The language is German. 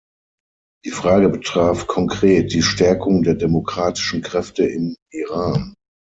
Die Frage betraf konkret die Stärkung der demokratischen Kräfte im Iran.